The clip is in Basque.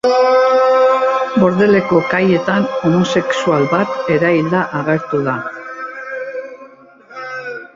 Bordeleko kaietan homosexual bat erailda agertu da.